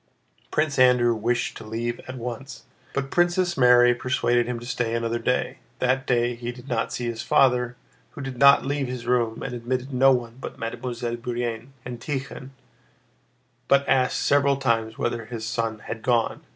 Prince Andrew wished to leave at once, but Princess Mary persuaded him to stay another day. That day he did not see his father, who did not leave his room and admitted no one but Mademoiselle Bourienne and Tíkhon, but asked several times whether his son had gone.